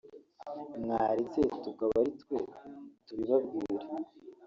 Mwaretse tukaba ari twe tubibabwira